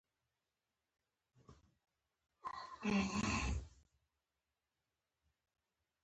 آيا تاسو ناروغه له کوم لرې ځای څخه راوستلې ده.